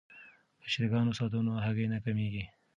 که چرګان وساتو نو هګۍ نه کمیږي.